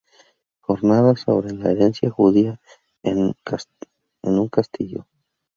Jornadas sobre la Herencia Judía en Uncastillo.